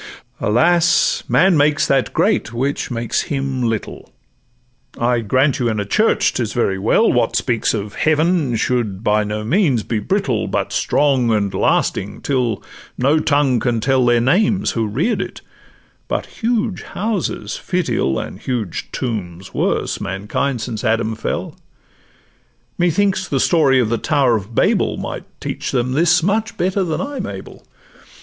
Alas! man makes that great which makes him little: I grant you in a church 'tis very well: What speaks of Heaven should by no means be brittle, But strong and lasting, till no tongue can tell Their names who rear'd it; but huge houses fit ill— And huge tombs worse—mankind, since Adam fell: Methinks the story of the tower of Babel Might teach them this much better than I'm able.